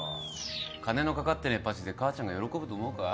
金のかかってねえパチで母ちゃんが喜ぶと思うか？